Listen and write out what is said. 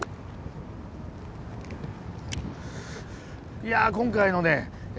いや今回のね